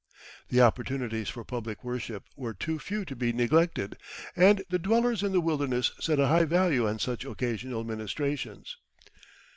The opportunities for public worship were too few to be neglected, and the dwellers in the wilderness set a high value on such occasional ministrations.